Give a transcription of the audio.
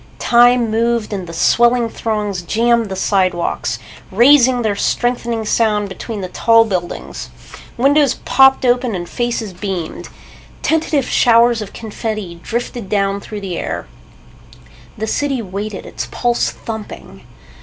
Time moved and the swelling throngs jammed the sidewalks, raising their strengthening sound between the tall buildings. Windows popped open and faces beamed. Tentative showers of confetti drifted down through the air. The city waited, its pulse thumping.